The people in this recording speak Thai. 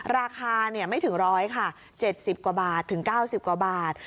ราคาไม่ถึง๑๐๐ค่ะ๗๐กว่าบาทถึง๙๐กว่าบาท